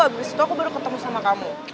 abis itu aku baru ketemu sama kamu